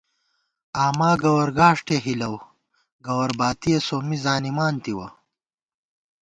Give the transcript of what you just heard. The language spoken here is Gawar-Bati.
آما گوَرگاݭٹے ہِلَؤ گوَر باتِیَہ ، سومّی زانِمان تِوَہ